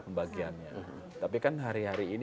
pembagiannya tapi kan hari hari ini